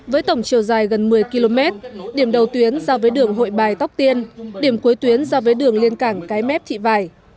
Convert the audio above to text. với tổng chiều dài gần một mươi km điểm đầu tuyến giao với đường hội bài tóc tiên điểm cuối tuyến giao với đường liên cảng cái mép thị vải